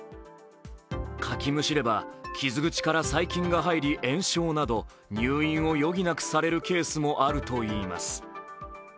かきむしれば傷口から細菌が入り炎症など入院を余儀なくされるケースもあるといいます。